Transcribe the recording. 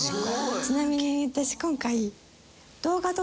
ちなみに私今回。